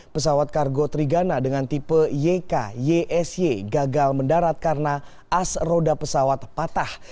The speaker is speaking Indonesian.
pesawat kargo trigana dengan tipe yk ysy gagal mendarat karena as roda pesawat patah